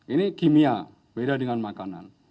ini kimia beda dengan makanan